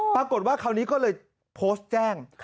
ปรากฏว่าคราวนี้ก็เลยโพสต์แจ้ง